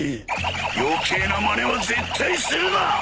余計なまねは絶対するな！